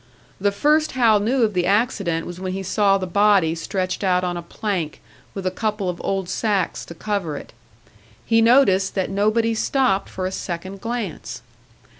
The first Hal knew of the accident was when he saw the body stretched out on a plank, with a couple of old sacks to cover it. He noticed that nobody stopped for a second glance.